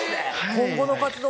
「今後の活動